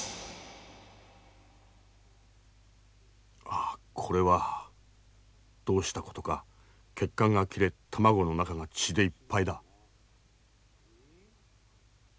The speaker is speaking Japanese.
ああこれはどうしたことか血管が切れ卵の中が血でいっぱいだ。